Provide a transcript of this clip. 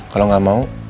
kalau gak mau